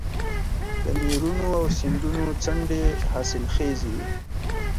د نهرونو او سیندونو څنډې حاصلخیزې وي.